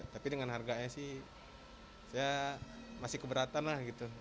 tapi dengan harganya sih saya masih keberatan lah gitu